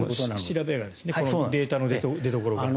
調べがデータの出どころが。